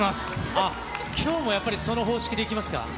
あっ、きょうもやっぱり、その方式でいきますか？